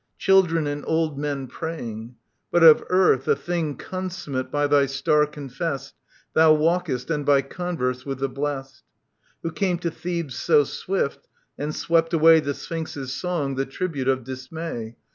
Children and old men, praying ; but of earth A thing consummate by thy star confessed Thou walkest and by converse with the blest ; Who came to Thebes so swift, and swept away The Sphinx's song, the tribute of dismay.